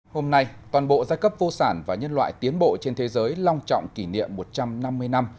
hôm nay toàn bộ giai cấp vô sản và nhân loại tiến bộ trên thế giới long trọng kỷ niệm một trăm năm mươi năm